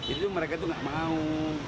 itu mereka tuh gak mau